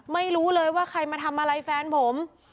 ไม่รู้เลยว่าใครมาทำอะไรแฟนผม